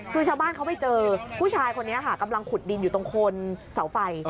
คือชาวบ้านเขาไปเจอผู้ชายคนนี้ค่ะกำลังขุดดินอยู่ตรงโคนเสาไฟ